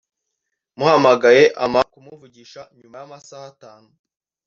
muhamagaye ampa kumuvugisha nyuma y’ amasaha atanu